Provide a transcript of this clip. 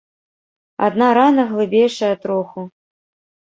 Адна рана глыбейшая троху.